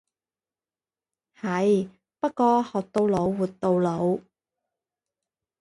係，不過學到老活到老。